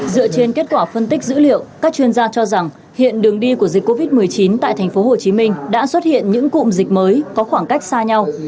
dựa trên kết quả phân tích dữ liệu các chuyên gia cho rằng hiện đường đi của dịch covid một mươi chín tại thành phố hồ chí minh đã xuất hiện những cụm dịch mới có khoảng cách xa nhau